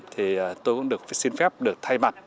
thì tôi cũng được xin phép được thay mặt